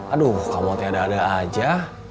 aduh kamu tia dada aja